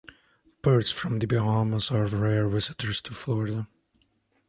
Birds from the Bahamas are rare visitors to Florida.